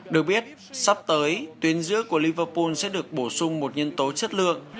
được biết sắp tới tuyến giữa của liverpool sẽ được bổ sung một nhân tố chất lượng